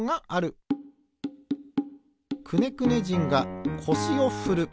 くねくね人がこしをふる。